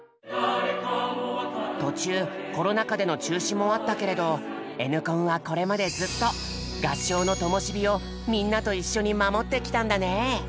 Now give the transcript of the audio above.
途中コロナ禍での中止もあったけれど「Ｎコン」はこれまでずっと合唱のともし火をみんなと一緒に守ってきたんだね。